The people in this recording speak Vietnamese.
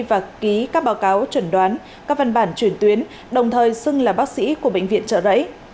và ký các báo cáo chuẩn đoán các văn bản chuyển tuyến đồng thời xưng là bác sĩ của bệnh viện trợ rẫy